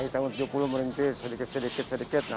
tahun tujuh puluh merintis sedikit sedikit sedikit sedikit